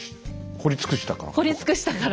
掘り尽くしたから。